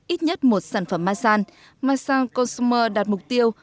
ít nhất một sản phẩm masan masan consumer đạt mục tiêu